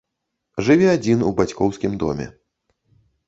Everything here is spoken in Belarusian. Жыве адзін у бацькоўскім доме.